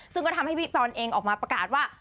ซึ่งก็ทำให้พี่บอลเองออกมาประกาศว่า